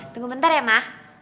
tunggu bentar ya ma